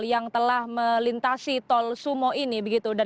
yang telah melintasi tol sumo ini